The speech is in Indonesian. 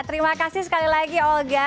terima kasih sekali lagi olga